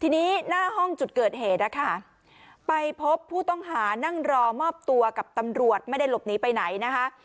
ทีนี้หน้าห้องจุดเกิดเหตุนะคะไปพบผู้ต้องหานั่งรอมอบตัวกับตำรวจไม่ได้หลบหนีไปไหนนะคะ